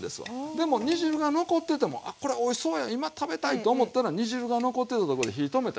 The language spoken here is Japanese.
でも煮汁が残っててもあこれおいしそうや今食べたいと思ったら煮汁が残ってたとこで火止めたらよろしい。